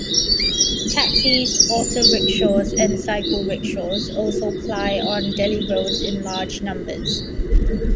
Taxis, auto rickshaws, and cycle rickshaws also ply on Delhi roads in large numbers.